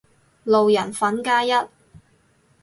路人粉加一